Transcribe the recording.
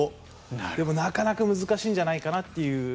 でもなかなか難しいんじゃないかなっていう。